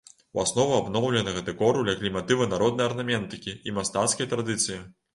У аснову абноўленага дэкору ляглі матывы народнай арнаментыкі і мастацкай традыцыі.